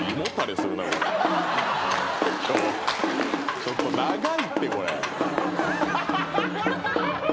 「ちょっと長いってこれ」